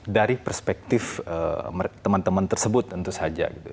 dari perspektif teman teman tersebut tentu saja gitu